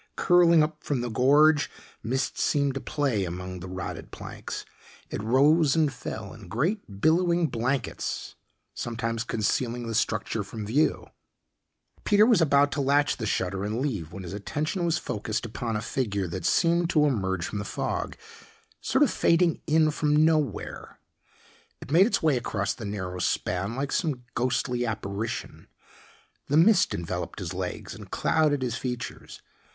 Curling up from the gorge, mist seemed to play among the rotted planks; it rose and fell in great billowing blankets, sometimes concealing the structure from view. Peter was about to latch the shutter and leave when his attention was focused upon a figure that seemed to emerge from the fog sort of fading in from nowhere. It made its way across the narrow span like some ghostly apparition. The mist enveloped his legs and clouded his features.